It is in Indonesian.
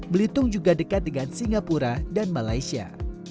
belitung juga dekat dengan singapura dan malaysia